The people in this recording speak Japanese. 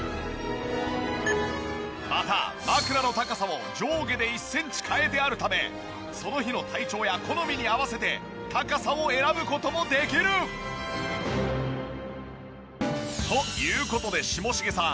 また枕の高さも上下で１センチ変えてあるためその日の体調や好みに合わせて高さを選ぶ事もできる！という事で下重さん